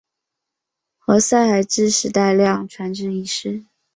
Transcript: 何塞还致使大量船只遗失。